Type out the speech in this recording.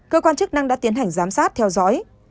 cơ quan chức năng đã tiến hành giám sát theo dõi